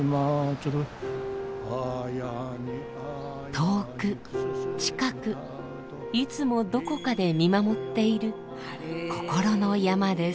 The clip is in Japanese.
遠く近くいつもどこかで見守っている心の山です。